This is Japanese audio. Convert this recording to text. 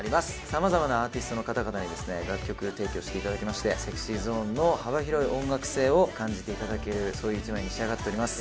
「様々なアーティストの方々にですね楽曲提供して頂きましてＳｅｘｙＺｏｎｅの幅広い音楽性を感じて頂けるそういう１枚に仕上がっております」